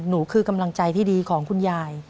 คือกำลังใจที่ดีของคุณยาย